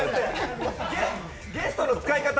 ゲストの使い方！